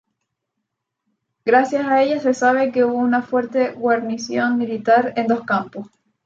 Gracias a ellas se sabe que hubo una fuerte guarnición militar en dos campos.